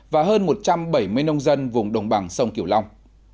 và hơn một trăm bảy mươi nông dân vùng đồng bằng sông kiểu long